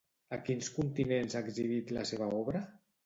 A quins continents ha exhibit la seva obra?